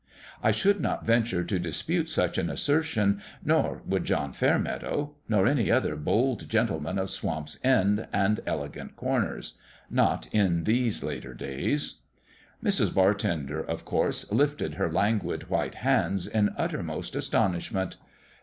I should not venture to dispute such an assertion ; nor would John Fairmeadow nor any other bold gentleman of Swamp's End and Elegant Corners not in these later days ! Mrs. Bartender, of course, lifted her languid white hands in uttermost astonishment.